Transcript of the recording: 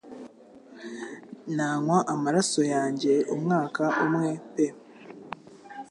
Nanywa amaraso yanjye umwaka umwe pe